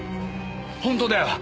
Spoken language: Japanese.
本当だよ！